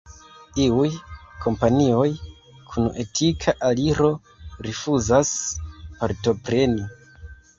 Iuj kompanioj kun etika aliro rifuzas partopreni.